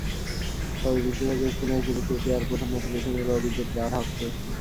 তবে বিশেষজ্ঞ স্পিনার হিসেবে কেকেআর প্রথম ম্যাচে বেছে নিল অভিজ্ঞ ব্র্যাড হগকে।